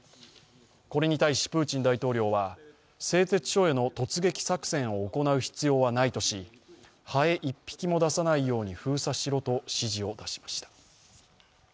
これに対しプーチン大統領は、製鉄所への突撃作戦を行う必要はないとしハエ１匹も出さないように封鎖しろと指示を出しました。